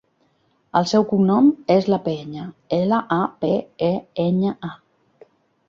El seu cognom és Lapeña: ela, a, pe, e, enya, a.